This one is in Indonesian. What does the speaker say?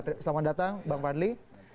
selamat datang bang fadli